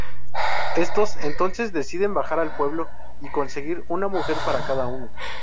Éstos, entonces, deciden bajar al pueblo y conseguir una mujer para cada uno.